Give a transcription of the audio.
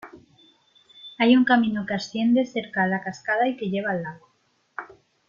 Hay un camino que asciende cerca a la cascada y que lleva al lago.